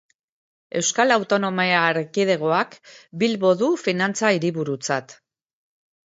Euskal Autonomia Erkidegoak Bilbo du finantza-hiriburutzat.